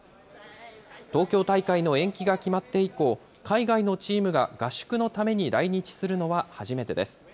東京大会の延期が決まって以降、海外のチームが合宿のために来日するのは初めてです。